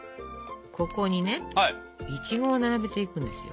ここにねいちごを並べていくんですよ。